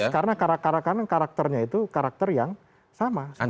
karena karakternya itu karakter yang sama